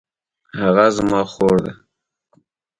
هغه زما خور ده